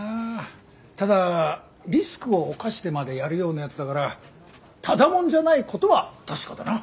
ただリスクを冒してまでやるようなやつだからただ者じゃないことは確かだな。